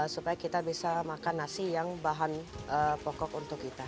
supaya kita bisa makan nasi yang bahan pokok untuk kita